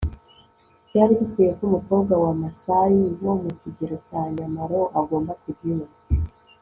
byari bikwiye ko umukobwa wa maasai wo mu kigero cya nyamalo agomba kujya iwe